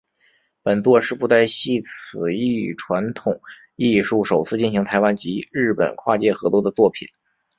本作是布袋戏此一传统艺术首次进行台湾及日本跨界合作的作品。